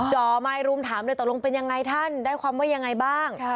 จ่อไมค์รุมถามเลยตกลงเป็นยังไงท่านได้ความว่ายังไงบ้าง